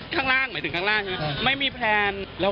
เพราะตอนนี้พร้อมแล้ว